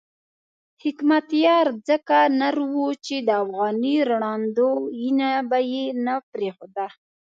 حکمتیار ځکه نر وو چې د افغاني روڼاندو وینه به یې نه پرېښوده.